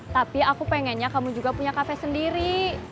tapi aku pengennya kamu juga punya kafe sendiri